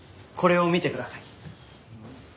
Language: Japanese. これを見てください。